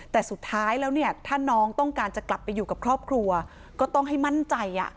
แต่สุดท้ายแล้วเนี่ยถ้าน้องต้องการจะกลับไปอยู่กับครอบครัวก็ต้องให้มั่นใจ